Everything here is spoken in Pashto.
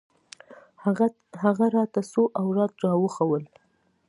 هغه راته څو اوراد راوښوول.